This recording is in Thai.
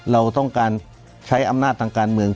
เราต้องการใช้อำนาจทางการเมือง